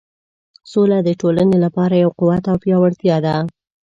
سوله د ټولنې لپاره یو قوت او پیاوړتیا ده.